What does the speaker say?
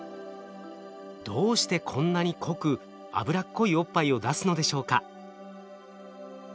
どうしてこんなに濃く脂っこいおっぱいを出すのでしょうか？